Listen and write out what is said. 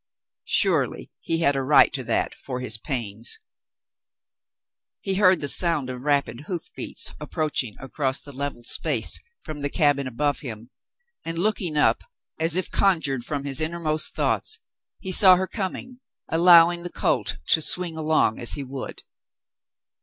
Surely he had a right to that for his pains. He heard the sound of rapid hoof beats approaching across the level space from the cabin above him, and look 86 An Errand of Mercy 87 iag up, as if conjured from his innermost thought, he saw her coming, allowing the colt to swing along as he would.